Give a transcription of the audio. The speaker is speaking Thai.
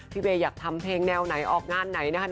เวย์อยากทำเพลงแนวไหนออกงานไหนนะคะ